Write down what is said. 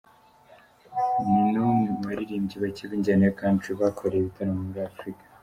Ni n’umwe mu baririmbyi bake b’injyana ya Country bakoreye ibitaramo muri Afurika.